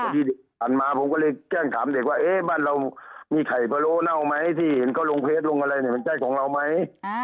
ที่ผ่านมาผมก็เลยแจ้งถามเด็กว่าบ้านเรามีไข่พะโลเน่าไหมที่เห็นเขาลงเพจลงอะไรเนี่ยมันใช่ของเราไหม